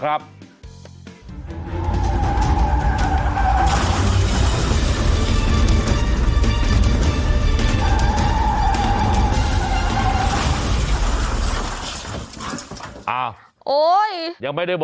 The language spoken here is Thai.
ขนมตาล